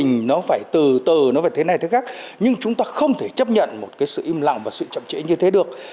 nhưng chúng ta không thể chấp nhận một sự im lặng và sự chậm trễ như thế được